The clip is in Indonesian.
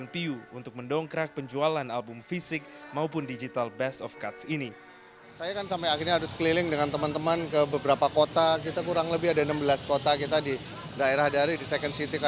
p u mencari penyanyi penyanyi yang terlibat